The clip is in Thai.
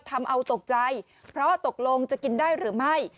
ทำเอาตกใจเพราะตกลงจะกินได้หรือไม่